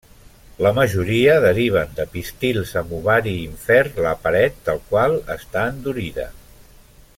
La majoria deriven de pistils amb ovari ínfer la paret del qual està endurida.